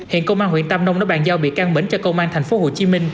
hiện công an huyện tam đông đã bàn giao bị can mỉnh cho công an tp hcm